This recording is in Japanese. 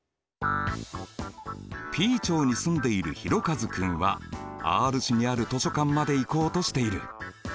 Ｐ町に住んでいるひろかず君はＲ市にある図書館まで行こうとしている。